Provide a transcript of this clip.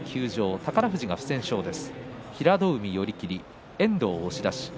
宝富士が不戦勝です。